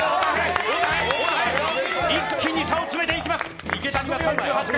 一気に差を詰めていきます。